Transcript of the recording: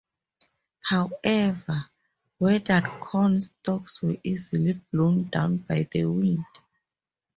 However, withered corn stalks were easily blown down by the wind.